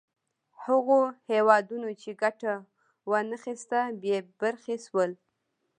هغو هېوادونو چې ګټه وا نه خیسته بې برخې شول.